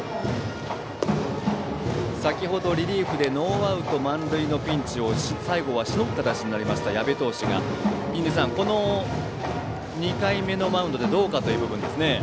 先程、リリーフでノーアウト満塁のピンチを最後はしのぐ形になった矢部投手がこの２回目のマウンドでどうかという部分ですね。